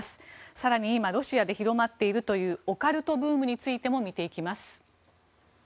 更に今、ロシアで広まっているというオカルトブームについても見ていきます。